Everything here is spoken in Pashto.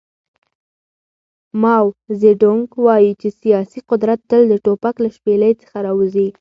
ماو زیډونګ وایي چې سیاسي قدرت تل د ټوپک له شپېلۍ څخه راوځي.